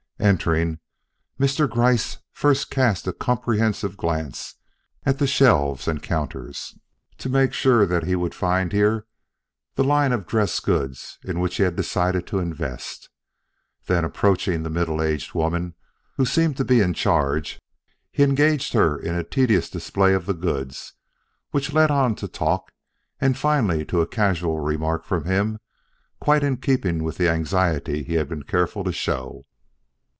Entering, Mr. Gryce first cast a comprehensive glance at the shelves and counters, to make sure that he would find here the line of dress goods in which he had decided to invest; then, approaching the middle aged woman who seemed to be in charge, he engaged her in a tedious display of the goods, which led on to talk and finally to a casual remark from him, quite in keeping with the anxiety he had been careful to show.